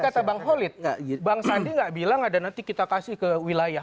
kata bang holid bang sandi nggak bilang ada nanti kita kasih ke wilayah